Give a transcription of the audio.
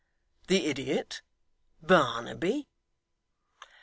'The idiot? Barnaby?